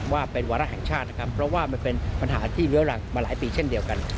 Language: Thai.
ว่าเป็นวาระแห่งชาตินะครับเพราะว่ามันเป็นปัญหาที่เลื้อหลังมาหลายปีเช่นเดียวกัน